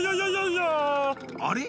あれ？